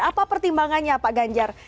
apa pertimbangannya pak ganjar